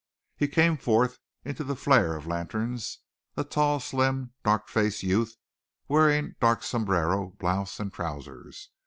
He came forth into the flare of lanterns, a tall, slim, dark faced youth, wearing dark sombrero, blouse and trousers.